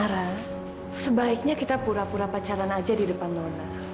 cara sebaiknya kita pura pura pacaran aja di depan nona